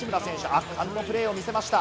圧巻のプレーを見せました。